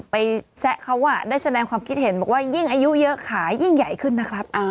แซะเขาได้แสดงความคิดเห็นบอกว่ายิ่งอายุเยอะขายิ่งใหญ่ขึ้นนะครับ